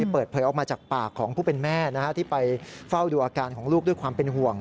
เปิดเผยออกมาจากปากของผู้เป็นแม่ที่ไปเฝ้าดูอาการของลูกด้วยความเป็นห่วง